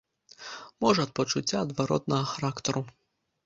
Можа ад пачуцця адваротнага характару.